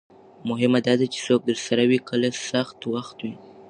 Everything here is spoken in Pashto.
مهمه دا ده چې څوک درسره وي کله سخت وخت وي.